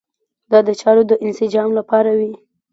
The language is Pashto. دا د چارو د انسجام لپاره وي.